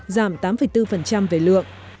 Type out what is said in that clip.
giảm tám bốn về lượng